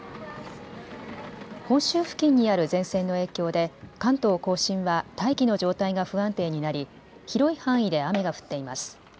本州付近にある前線の影響で関東甲信は大気の状態が不安定になり広い範囲で雨が降っています。